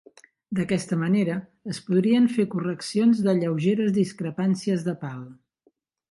D'aquesta manera es podrien fer correccions de lleugeres discrepàncies del pal.